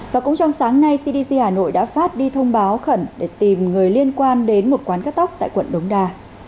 và cũng trong sáng nay cdc hà nội đã phát đi thông báo khẩn để tìm người liên quan đến một quán cắt tóc tại quận đống đa